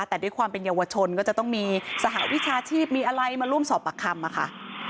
แต่ด้วยความเป็นเยาวชนก็จะต้องมีสหวิชาชีพมีอะไรมาร่วมสอบปากคำค่ะ